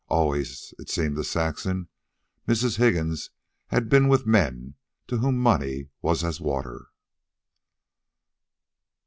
Always, so it seemed to Saxon, Mrs. Higgins had been with men to whom money was as water.